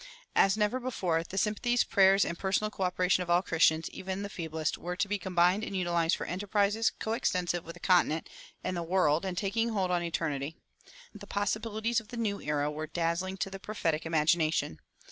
As never before, the sympathies, prayers, and personal coöperation of all Christians, even the feeblest, were to be combined and utilized for enterprises coextensive with the continent and the world and taking hold on eternity. The possibilities of the new era were dazzling to the prophetic imagination.